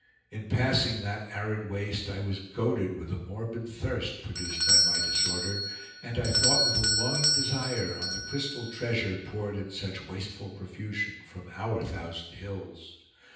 In passing that arid waste I was goaded with a morbid thirst produced by my disorder, and I thought with a longing desire on the crystal treasure poured in such wasteful profusion from our thousand hills.